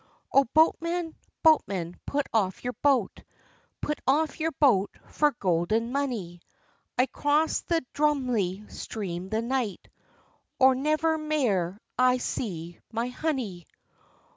"O boatman, boatman, put off your boat! Put off your boat for gowden monie! I cross the drumly stream the night, Or never mair I see my honey."